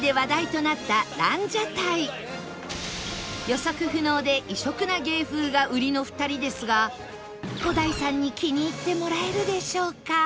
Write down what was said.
予測不能で異色な芸風が売りの２人ですが伍代さんに気に入ってもらえるでしょうか？